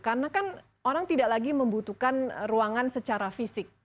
karena kan orang tidak lagi membutuhkan ruangan secara fisik